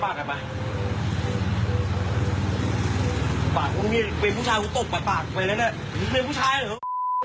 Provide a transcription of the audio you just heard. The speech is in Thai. ปากคุณมีเป็นผู้ชายกูตกปากไปเลยแน่